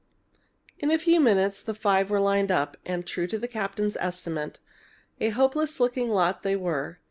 In a few moments the five were lined up, and, true to the captain's estimate, a hopeless looking lot they were.